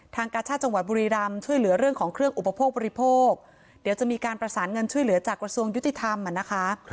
กาชาติจังหวัดบุรีรำช่วยเหลือเรื่องของเครื่องอุปโภคบริโภคเดี๋ยวจะมีการประสานเงินช่วยเหลือจากกระทรวงยุติธรรมนะคะ